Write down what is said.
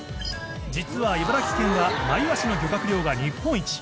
実は茨城県は、マイワシの漁獲量が日本一。